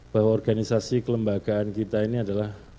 bahwa organisasi kelembagaan kita ini adalah